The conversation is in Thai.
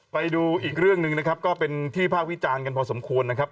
ไปดูอีกเรื่องหนึ่งนะครับก็เป็นที่ภาควิจารณ์กันพอสมควรนะครับ